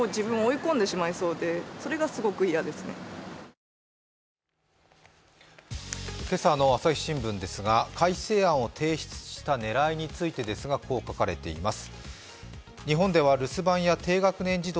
更に、こんな意見も今朝の「朝日新聞」ですが改正案を提出した狙いについて、こう書かれています。